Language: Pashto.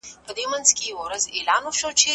غلام وویل چې زه له خپل رب څخه ډېر حیا کوم.